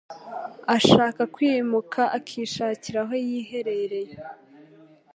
Ashaka kwimuka akishakira aho yiherereye.